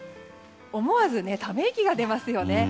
思わずため息が出ますよね。